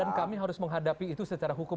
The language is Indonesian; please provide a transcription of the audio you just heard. dan kami harus menghadapi itu secara hukum